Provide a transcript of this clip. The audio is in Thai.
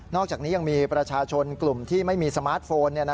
อกจากนี้ยังมีประชาชนกลุ่มที่ไม่มีสมาร์ทโฟน